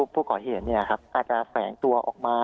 ผู้ก่อเหตุเนี่ยครับอาจจะแสงตัวออกมา